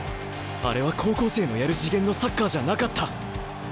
あれは高校生のやる次元のサッカーじゃなかった！